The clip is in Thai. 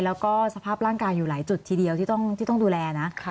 แล้วก็สภาพร่างกายอยู่หลายจุดทีเดียวที่ต้องดูแลนะ